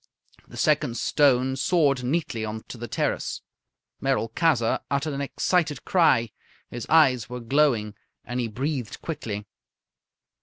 The second stone soared neatly on to the terrace. Merolchazzar uttered an excited cry. His eyes were glowing, and he breathed quickly.